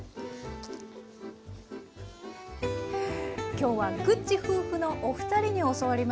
今日はぐっち夫婦のお二人に教わりました。